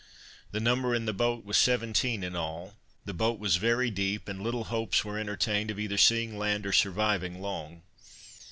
The number in the boat was 17 in all; the boat was very deep, and little hopes were entertained of either seeing land or surviving long.